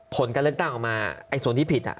ผลการเลือกตั้งออกมาส่วนที่ผิด